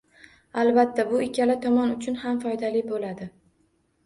Albatta, bu ikkala tomon uchun ham foydali bo'ladi